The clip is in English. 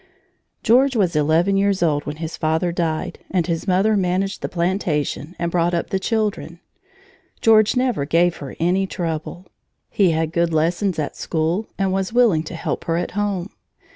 George was eleven years old when his father died, and his mother managed the plantation and brought up the children. George never gave her any trouble. He had good lessons at school and was willing to help her at home.